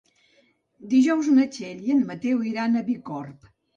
Dijous na Txell i en Mateu iran a Bicorb.